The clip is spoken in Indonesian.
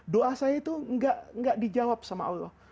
doa saya itu nggak dijawab sama allah